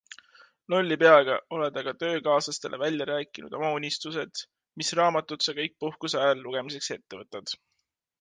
Lolli peaga oled aga töökaaslastele välja rääkinud oma unistused, mis raamatud sa kõik puhkuse ajal lugemiseks ette võtad.